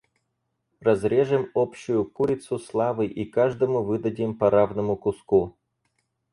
Разрежем общую курицу славы и каждому выдадим по равному куску.